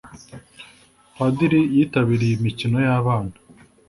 padiri yitabiriye imikino yabana.